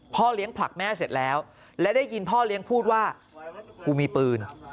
เลี้ยงผลักแม่เสร็จแล้วและได้ยินพ่อเลี้ยงพูดว่ากูมีปืน